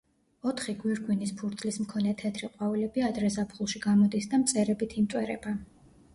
ოთხი გვირგვინის ფურცლის მქონე თეთრი ყვავილები ადრე ზაფხულში გამოდის და მწერებით იმტვერება.